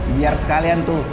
biar sekalian tuh